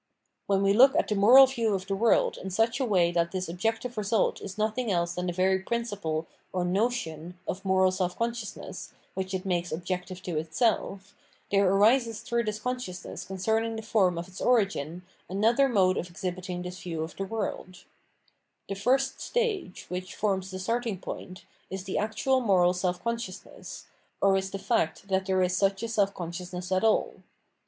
When we look at the moral view of the world in such a way that this objective result is nothing else than the very principle or notion of moral self conscious ness which it makes objective to itself, there arises through this consciousness concerning the form of its origin another mode of exhibiting this view of the world. 622 Phenomenology of Mind The first stage, which forms the starting point, is the actual moral self consciousness, or is the fact that there is such a self consciousness 'at all.